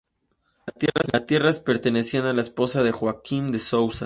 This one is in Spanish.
Las tierras pertenecían a la esposa de Joaquim de Souza.